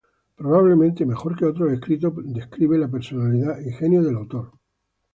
Probablemente mejor que otros escritos, describe la personalidad y genio del autor.